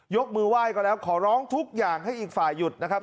ยกมือไหว้ก็แล้วขอร้องทุกอย่างให้อีกฝ่ายหยุดนะครับ